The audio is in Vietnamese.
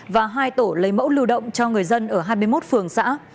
và hai tổ lấy mẫu lưu động cho người dân ở hai mươi một phường xã